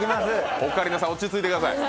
オカリナさん、落ち着いてください。